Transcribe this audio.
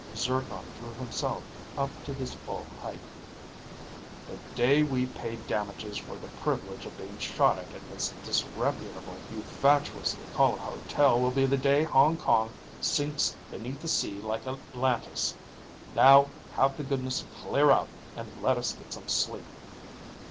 Zircon drew himself up to his full height. "The day we pay damages for the privilege of being shot at in this disreputable dive you fatuously call a hotel will be the day Hong Kong sinks beneath the sea like Atlantis. Now have the goodness to clear out and let us get some sleep."